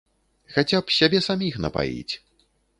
Хаця б сябе саміх напаіць.